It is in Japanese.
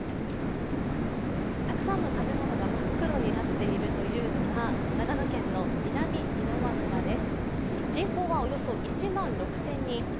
たくさんの食べ物が真っ黒になっているというのが長野県の南箕輪村です。